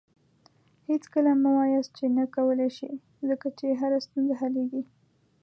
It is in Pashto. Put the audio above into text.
هېڅکله مه وایاست چې نه کولی شې، ځکه چې هره ستونزه حلیږي.